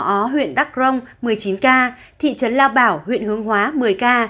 các trường hợp dương tính này có địa chỉ tại xã huyện đắc rông một mươi chín k thị trấn lao bảo huyện hướng hóa một mươi k